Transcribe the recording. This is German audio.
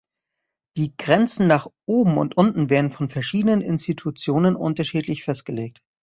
Die Grenzen nach oben und unten werden von verschiedenen Institutionen unterschiedlich festgelegt.